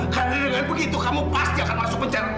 karena dengan begitu kamu pasti akan masuk penjar